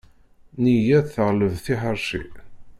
Nneyya teɣleb tiḥeṛci.